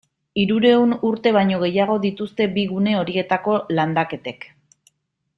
Hirurehun urte baino gehiago dituzte bi gune horietako landaketek.